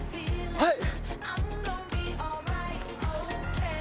はい！